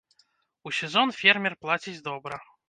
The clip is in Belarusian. У сезон фермер плаціць добра.